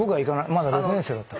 まだ６年生だった。